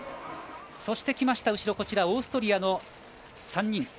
そして、来ましたオーストリアの３人。